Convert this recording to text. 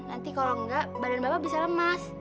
nanti kalau enggak badan bapak bisa lemas